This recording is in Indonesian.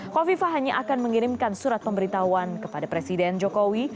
kofifa hanya akan mengirimkan surat pemberitahuan kepada presiden jokowi